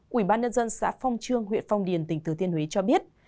quỹ ban nhân dân xã phong trương huyện phong điền tỉnh thứ tiên huế cho biết